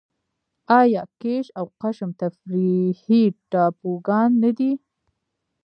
آیا کیش او قشم تفریحي ټاپوګان نه دي؟